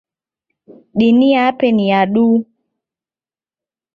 Dini yape ni ya duu.